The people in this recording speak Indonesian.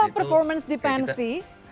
kenapa performance di pensy